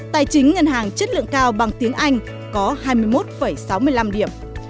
tài chính ngân hàng chất lượng cao bằng tiếng anh có hai mươi một sáu mươi năm điểm